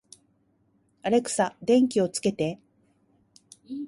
アレクサ、電気をつけて